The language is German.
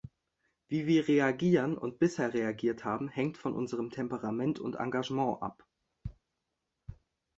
Wie wir reagieren und bisher reagiert haben, hängt von unserem Temperament und Engagement ab.